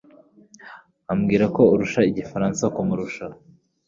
ambwira ko urusha igifaransa kumurusha